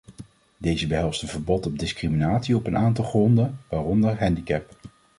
Deze behelst een verbod op discriminatie op een aantal gronden, waaronder handicap.